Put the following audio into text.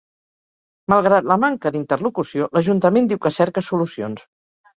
Malgrat la manca d’interlocució, l’ajuntament diu que cerca solucions.